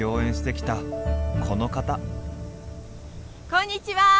こんにちは！